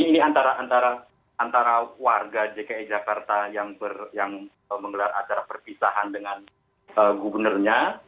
ini antara warga dki jakarta yang menggelar acara perpisahan dengan gubernurnya